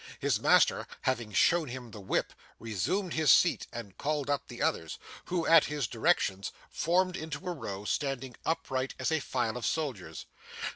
His master having shown him the whip resumed his seat and called up the others, who, at his directions, formed in a row, standing upright as a file of soldiers.